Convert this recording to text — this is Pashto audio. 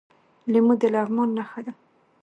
لیمو د لغمان نښه ده.